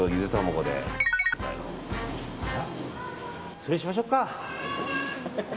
それにしましょうか。